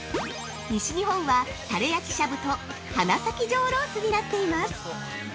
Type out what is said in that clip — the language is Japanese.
西日本は、たれ焼しゃぶと花咲上ロースになっています。